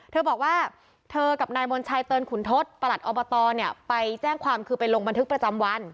เธอบอกว่าเธอกับนายมนชัยเตินขุนทศประหลัดอบตเนี่ยไปแจ้งความคือไปลงบันทึกประจำวัน